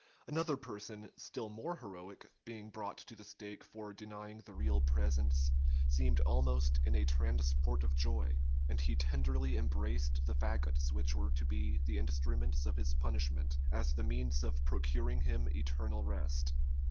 Another person, still more heroic, being brought to the stake for denying the real presence, seemed almost in a transport of joy; and he tenderly embraced the fagots which were to be the instruments of his punishment, as the means of procuring him eternal rest.